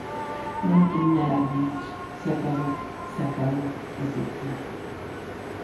Ya no tenían lágrimas... Se acabó, se acabó- repetía.